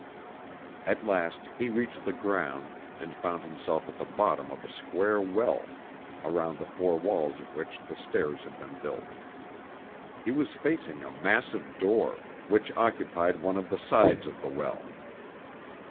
At last he reached the ground, and found himself at the bottom of a square well, around the four walls of which the stairs had been built. He was facing a massive door, which occupied one of the sides of the well.